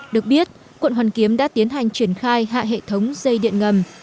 được biết quận hoàn kiếm đã tiến hành triển khai hạ hệ thống dây điện ngầm